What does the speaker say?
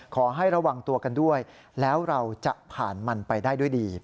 ขอให้ระวังตัวกันด้วยแล้วเราจะผ่านมันไปได้ด้วยดี